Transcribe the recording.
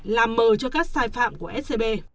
làm mờ cho các sai phạm của scb